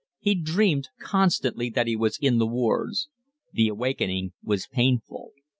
He dreamed constantly that he was in the wards. The awakening was painful.